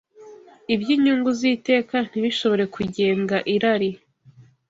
iby’inyungu z’iteka ntibishobore kugenga irari